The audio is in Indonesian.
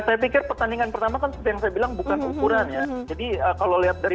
saya pikir pertandingan pertama kan seperti yang saya bilang bukan ukuran ya jadi kalau lihat dari